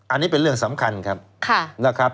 อันนี้เป็นเรื่องสำคัญครับ